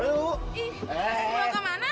lalu ih eh kemana